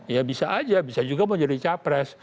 ya bisa aja bisa juga mau jadi capres